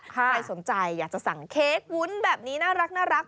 ใครสนใจอยากจะสั่งเค้กวุ้นแบบนี้น่ารัก